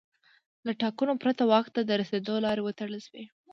له ټاکنو پرته واک ته د رسېدو لارې وتړل شوې.